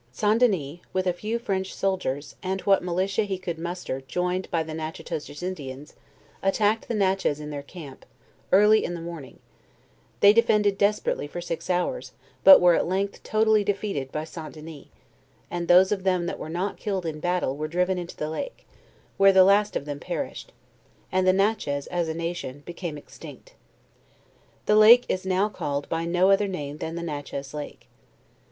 St. Dennie, with a few French soldiers, and what malitia he could muster joined by the Natchitoches In dians, attacked the Natchez in their camp, early in the morn ing: they defended desperately for six hours, but were at length totally defeated by St. Dennie, and those of them that were not killed in battle, were driven into the lake, where the last of them perished, and the Natchez, as a nation, be came extinct. The lake is now called by no other name than the Natchez lake.